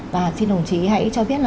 và xin đồng chí hãy cho biết